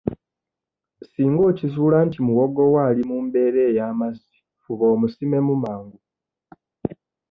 Singa okizuula nti muwogo wo ali mu mbeera ey'amazzi fuba omusimemu mangu.